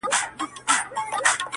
پلار وای دا لور چي پلاني پير ته ودېږي؛